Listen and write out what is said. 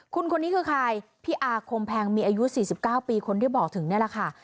คุณคนนี้คือใครพี่อาคมแพงมีอายุ๔๙ปีคนที่บอกถึงนี่แหละค่ะ